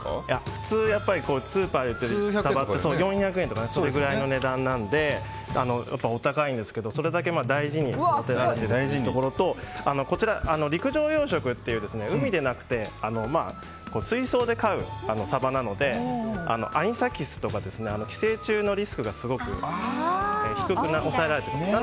普通、スーパーで売ってるサバって４００円ぐらいなのでお高いんですが、それだけ大事に育てられているところとこちら、陸上養殖という海でなくて水槽で飼うサバなのでアニサキスとか寄生虫のリスクがすごく低く抑えられています。